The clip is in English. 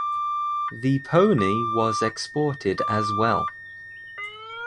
The Pony was exported as well.